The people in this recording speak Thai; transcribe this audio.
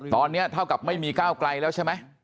ตอนนี้เท่ากับไม่มีก้าวไกลแล้วใช่ไหม